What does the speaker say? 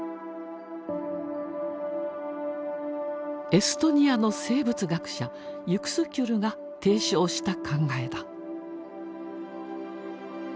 エストニアの生物学者ユクスキュルが提唱した考えだ。